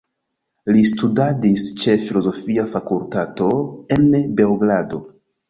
Li studadis ĉe filozofia fakultato en Beogrado.